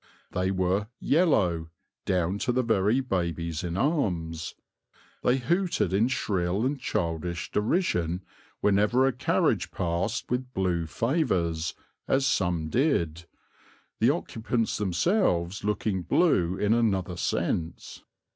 They were "yellow" down to the very babies in arms; they hooted in shrill and childish derision whenever a carriage passed with blue favours, as some did, the occupants themselves looking blue in another sense.